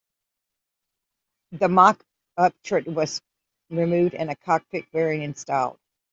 The mock-up turret was removed and a cockpit fairing installed.